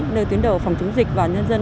nơi tuyến đầu phòng chống dịch và nhân dân